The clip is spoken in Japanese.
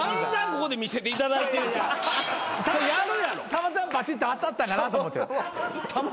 たまたまバチッと当たったかなと思って。